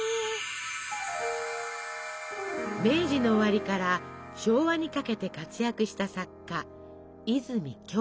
明治の終わりから昭和にかけて活躍した作家